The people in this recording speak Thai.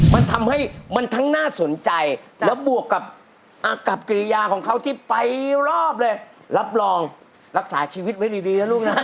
มันทำให้มันทั้งน่าสนใจแล้วบวกกับอากับกิริยาของเขาที่ไปรอบเลยรับรองรักษาชีวิตไว้ดีนะลูกนะ